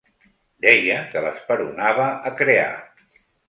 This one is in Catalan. Deia que l'esperonava a crear.